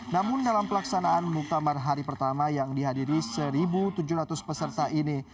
namun dalam pelaksanaan muktamar hari pertama yang dihadiri satu tujuh ratus peserta ini